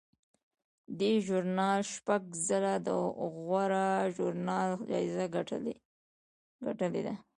دې ژورنال شپږ ځله د غوره ژورنال جایزه ګټلې ده.